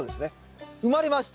埋まりました！